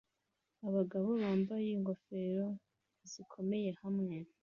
Abagabo bambaye ingofero zikomeye hamwe